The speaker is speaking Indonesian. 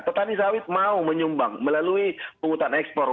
petani sawit mau menyumbang melalui penghutang ekspor